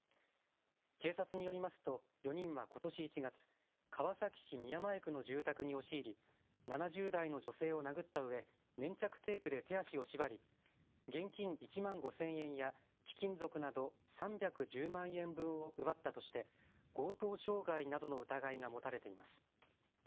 警察によりますと４人はことし１月、川崎市宮前区の住宅に押し入り７０代の女性を殴ったうえ粘着テープで手足を縛り、現金１万５０００円や貴金属など３１０万円分を奪ったとして強盗傷害などの疑いが持たれています。